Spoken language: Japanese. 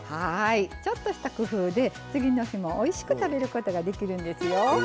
ちょっとした工夫で次のもおいしく食べることができるんですよ。